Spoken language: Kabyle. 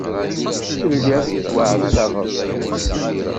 Telliḍ tettwaɛettabeḍ.